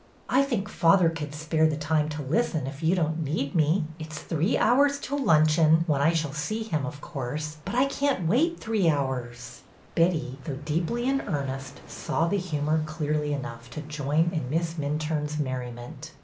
'' I think father could spare the time to listen if you don't need me. It 's three hours till luncheon, when I shall see him, of course, but I can't wait three hours !" Betty, though deeply in earnest, saw the humor clearly enough to join in Miss Minturne's merriment.